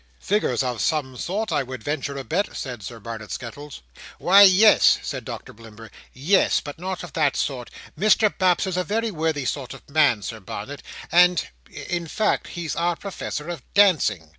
"Figures of some sort, I would venture a bet," said Sir Barnet Skettles. "Why yes," said Doctor Blimber, yes, but not of that sort. Mr Baps is a very worthy sort of man, Sir Barnet, and—in fact he's our Professor of dancing."